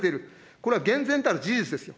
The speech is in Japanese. これは厳然たる事実ですよ。